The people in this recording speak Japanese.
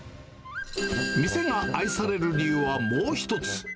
店が愛される理由はもう一つ。